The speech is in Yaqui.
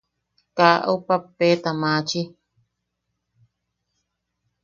Kaa au pappeta maachi.